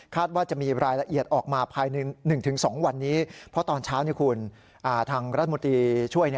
ว่าจะมีรายละเอียดออกมาภายใน๑๒วันนี้เพราะตอนเช้าทางรัฐมนตรีช่วย